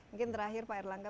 mungkin terakhir pak erlangga